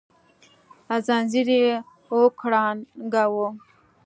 ځنځير يې وکړانګاوه